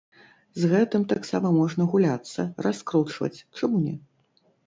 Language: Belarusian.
З гэтым таксама можна гуляцца, раскручваць, чаму не?